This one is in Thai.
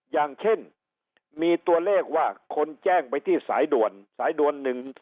อย่างเช่นมีตัวเลขว่าคนแจ้งไปที่สายด่วนสายด่วน๑๖